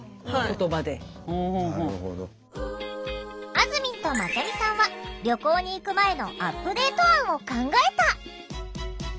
あずみんとまちゃみさんは「旅行に行く前」のアップデート案を考えた！